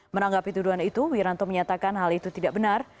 menanggapi tuduhan itu wiranto menyatakan hal itu tidak benar